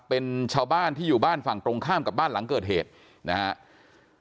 เป็นชาวบ้านที่อยู่บ้านฝั่งตรงข้ามกับบ้านหลังเกิดเหตุนะครับ